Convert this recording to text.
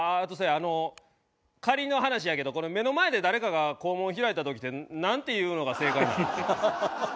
あの仮の話やけど目の前で誰かが肛門開いた時ってなんて言うのが正解なん？